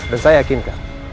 dan saya yakinkan